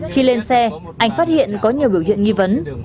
khi lên xe anh phát hiện có nhiều biểu hiện nghi vấn